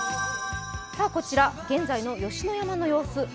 こちら現在の吉野山の様子。